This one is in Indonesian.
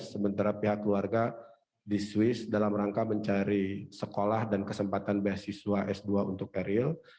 sementara pihak keluarga di swiss dalam rangka mencari sekolah dan kesempatan beasiswa s dua untuk eril